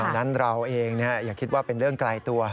นั้นเราเองอย่าคิดว่าเป็นเรื่องไกลตัว